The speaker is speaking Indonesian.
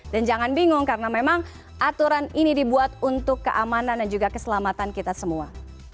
dan jangan bingung karena memang aturan ini dibuat untuk keamanan dan juga keselamatan kita semua